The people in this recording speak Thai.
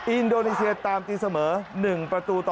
อินโดนีเซียตามตีเสมอ๑ประตูต่อ